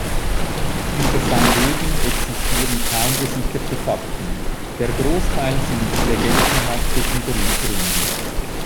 Über sein Leben existieren kaum gesicherte Fakten, der Großteil sind legendenhafte Überlieferungen.